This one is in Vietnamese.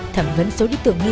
thẩm vấn số đích tưởng nghi vấn